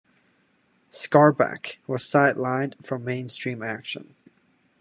Skarbek was sidelined from mainstream action.